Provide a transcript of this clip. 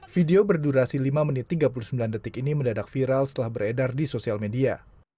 video berdurasi lima menit tiga puluh sembilan detik ini mendadak viral setelah beredar di sosial media